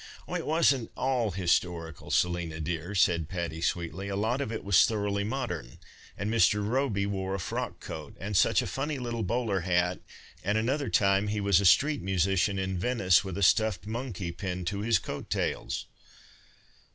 " Oh, it wasn't all historical, Selina, dear," said Patty, sweetly. " A lot of it was thoroughly modern, and Mr. Robey wore a frock coat, and such a funny little bowler hat, and another time he was a street musician in Venice with a stuffed monkey pinned to his coat tails."